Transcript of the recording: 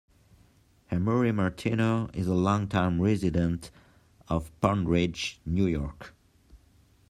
Amurri Martino is a longtime resident of Pound Ridge, New York.